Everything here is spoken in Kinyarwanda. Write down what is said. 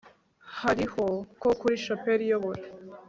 Hariho ko kuri Chapel iyobora